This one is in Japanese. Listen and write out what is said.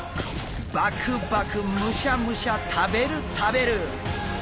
バクバクむしゃむしゃ食べる食べる！